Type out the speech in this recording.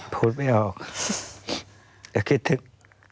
พูดไม่ออกอย่าคิดถึง